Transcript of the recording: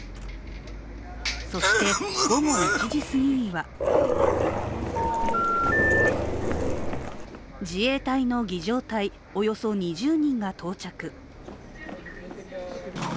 そして、午後１時すぎには自衛隊の儀じょう隊およそ２０人が到着。